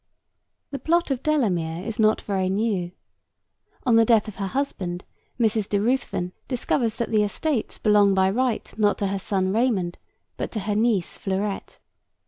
The plot of Delamere is not very new. On the death of her husband, Mrs. De Ruthven discovers that the estates belong by right not to her son Raymond but to her niece Fleurette.